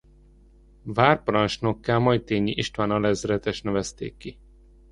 Várparancsnokká Majthényi István alezredest nevezték ki.